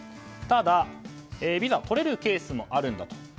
ただビザを取れるケースもあるんだと。